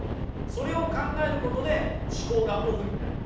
それを考えることで思考がオフになります。